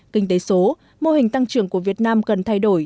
kinh tế số mô hình tăng trưởng của việt nam cần thay đổi